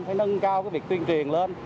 phải nâng cao cái việc tuyên truyền lên